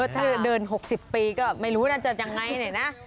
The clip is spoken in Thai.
ถ้าเดิน๖๐ปีก็ไม่รู้นะจะยังไงเนี่ยนะ